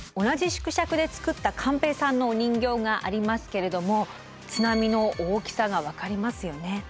同じ縮尺で作った寛平さんのお人形がありますけれども津波の大きさが分かりますよね。